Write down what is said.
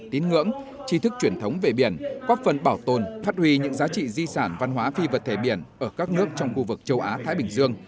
tín ngưỡng tri thức truyền thống về biển góp phần bảo tồn phát huy những giá trị di sản văn hóa phi vật thể biển ở các nước trong khu vực châu á thái bình dương